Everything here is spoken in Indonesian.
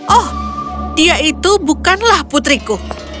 oh dia itu bukanlah putriku